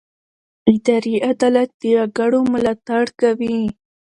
اداري عدالت د وګړو ملاتړ کوي.